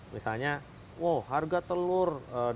misalnya wow harga telur dua puluh delapan tiga puluh